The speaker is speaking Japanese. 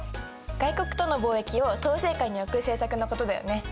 外国との貿易を統制下に置く政策のことだよね。